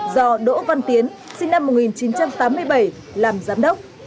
do đỗ văn tiến sinh năm một nghìn chín trăm tám mươi bảy làm giám đốc